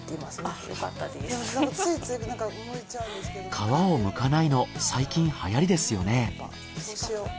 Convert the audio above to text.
皮を剥かないの最近流行りですよね。